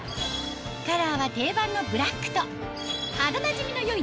カラーは定番のブラックと肌なじみの